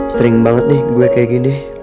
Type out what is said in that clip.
sering banget nih gue kayak gini